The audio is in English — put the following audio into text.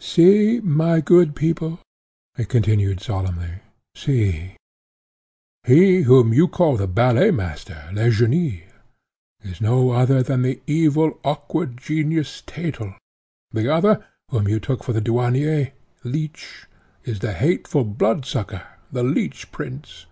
"See, my good people," he continued solemnly, "see; he, whom you call the Balletmaster, Legénie, is no other than the evil, awkward genius, Thetel; the other, whom you take for the Douanier, Leech, is the hateful bloodsucker, the Leech Prince.